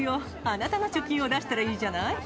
あなたの貯金を出したらいいじゃない？